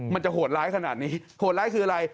มันจะโหดร้ายขนาดนี้โหดร้ายคืออะไร